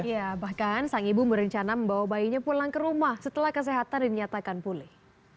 ya bahkan sang ibu berencana membawa bayinya pulang ke rumah setelah kesehatan dinyatakan pulih